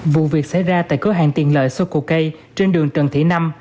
vụ việc xảy ra tại cửa hàng tiền lợi soko k trên đường trần thị năm